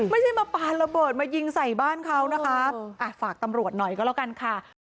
ไม่ใช่มาปานระเบิดมายิงใส่บ้านเขานะคะฝากตำรวจหน่อยก็แล้วกันค่ะ